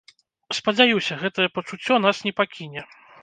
Спадзяюся, гэтае пачуццё нас не пакіне.